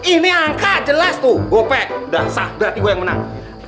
ini angka jelas tuh gue pet dahsah berarti gue yang menang